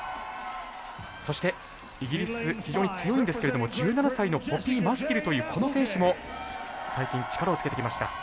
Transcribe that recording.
そして、イギリス非常に強いんですけれども１７歳のポピー・マスキルというこの選手も最近力をつけてきました。